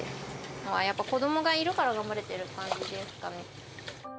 やっぱ子どもがいるから頑張れてる感じですかね。